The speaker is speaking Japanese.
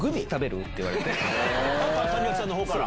谷垣さんの方から？